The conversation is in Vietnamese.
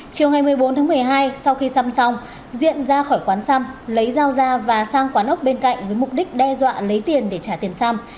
chiều ngày một mươi bốn tháng một mươi hai sau khi xăm xong diện ra khỏi quán xăm lấy dao ra và sang quán ốc bên cạnh với mục đích đe dọa lấy tiền để trả tiền xăm